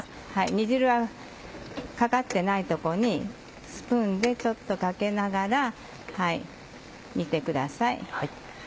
煮汁はかかってないとこにスプーンでちょっとかけながら煮てください。